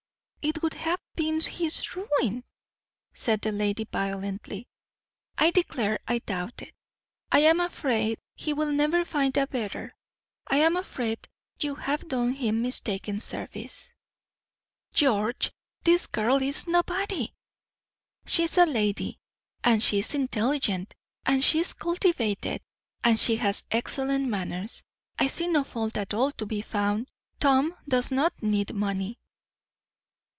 "It would have been his ruin!" said the lady violently. "I declare I doubt it. I am afraid he'll never find a better. I am afraid you have done him mistaken service." "George, this girl is nobody." "She is a lady. And she is intelligent, and she is cultivated, and she has excellent manners. I see no fault at all to be found. Tom does not need money."